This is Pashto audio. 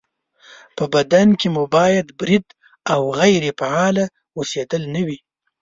په بدن کې مو باید برید او غیرې فعاله اوسېدل نه وي